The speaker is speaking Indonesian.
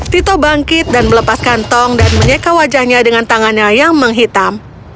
tito bangkit dan melepaskan tong dan menyeka wajahnya dengan tangannya yang menghitam